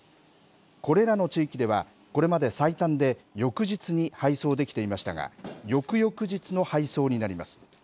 これらの地域では、これまで最短で翌日に配送できていましたが、翌々日の配送になります。